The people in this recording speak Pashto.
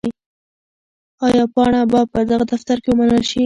آیا پاڼه به په دغه دفتر کې ومنل شي؟